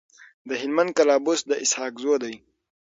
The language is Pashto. د هلمند کلابست د اسحق زو دی.